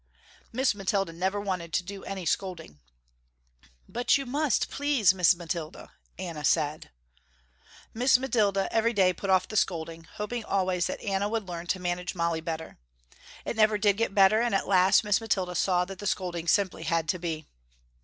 Miss Mathilda never wanted to do any scolding. "But you must please Miss Mathilda," Anna said. Miss Mathilda every day put off the scolding, hoping always that Anna would learn to manage Molly better. It never did get better and at last Miss Mathilda saw that the scolding simply had to be.